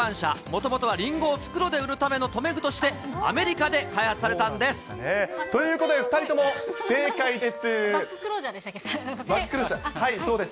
もともとはりんごを袋で売るための留め具として、アメリカで開発ということで、２人とも不正解です。